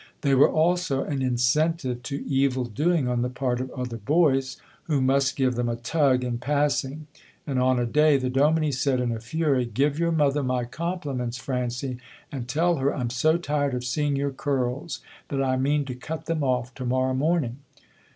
They were also an incentive to evil doing on the part of other boys, who must give them a tug in passing, and on a day the dominie said, in a fury, "Give your mother my compliments, Francie, and tell her I'm so tired of seeing your curls that I mean to cut them off to morrow morning."